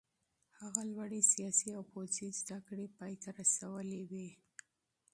هغه لوړې سیاسي او پوځي زده کړې پای ته رسولې وې.